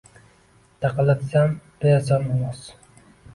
Taqillatsam, berasan ovoz.